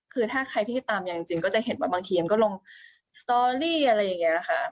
คือถ้าใครที่ตามอย่างจริงก็จะเห็นว่าบางทีมันก็ลงสตอรี่อะไรอย่างนี้ค่ะ